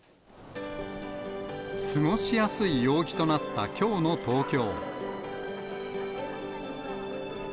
過ごしやすい陽気となったきょうの東京。